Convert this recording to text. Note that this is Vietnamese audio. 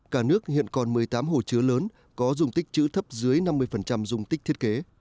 cả nước hiện còn một mươi tám hồ chứa lớn có dùng tích chữ thấp dưới năm mươi dung tích thiết kế